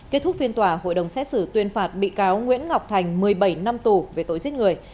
kết thúc phiên tòa hội đồng xét xử tuyên phạt bị cáo nguyễn ngọc thành một mươi bảy năm tù về tội giết người